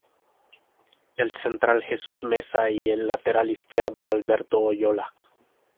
El central Jesús Meza y el lateral izquierdo Alberto Oyola.